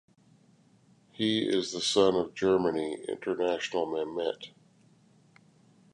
He is the son of Germany international Mehmet.